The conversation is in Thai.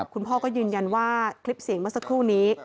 คุณพ่อก็ยืนยันว่าคลิปเสียงเมื่อสักครู่นี้